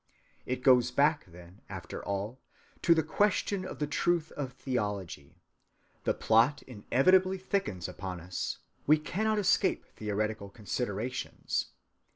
It goes back, then, after all, to the question of the truth of theology. The plot inevitably thickens upon us; we cannot escape theoretical considerations.